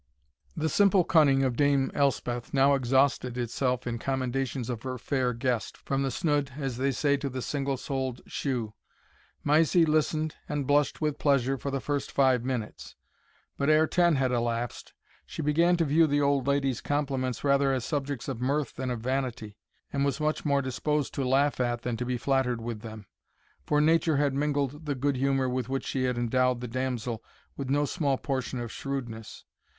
The simple cunning of Dame Elspeth now exhausted itself in commendations of her fair guest, from the snood, as they say, to the single soled shoe. Mysie listened and blushed with pleasure for the first five minutes; but ere ten had elapsed, she began to view the old lady's compliments rather as subjects of mirth than of vanity, and was much more disposed to laugh at than to be flattered with them, for Nature had mingled the good humour with which she had endowed the damsel with no small portion of shrewdness.